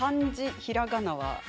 ひらがなは。